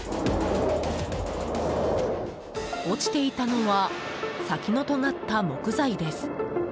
落ちていたのは先のとがった木材です。